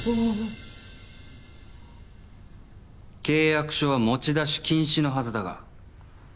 契約書は持ち出し禁止のはずだが。